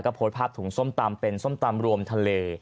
โพสต์ภาพถุงส้มตำเป็นส้มตำรวมทะเล